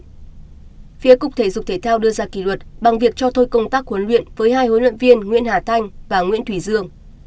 phía cục thể dục thể thao đưa ra kỷ luật bằng việc cho thôi công tác huấn luyện với hai huấn luyện viên nguyễn hà thanh và nguyễn thủy dương